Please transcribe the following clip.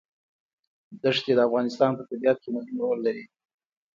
دښتې د افغانستان په طبیعت کې مهم رول لري.